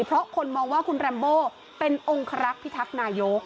เพราะคนมองว่าคุณแรมโบเป็นองคลักษ์พิทักษ์นายก